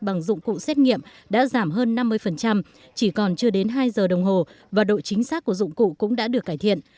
bằng dụng cụ xét nghiệm đã giảm hơn năm mươi chỉ còn chưa đến hai giờ đồng hồ và độ chính xác của dụng cụ cũng đã được cải thiện